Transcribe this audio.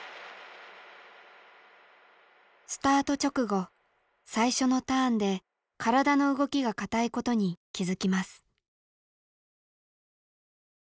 スタート直後最初のターンで体の動きが硬いことに気付きます。